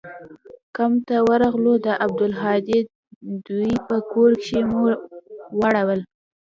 کمپ ته ورغلو د عبدالهادي دوى په کور کښې مو واړول.